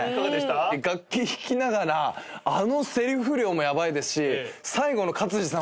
楽器弾きながらあのせりふ量もヤバいですし最後の勝地さん。